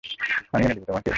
পানি এনে দিবো তোমাকে?